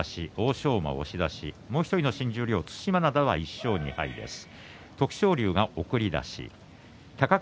もう１人の新十両の對馬洋は１勝２敗です。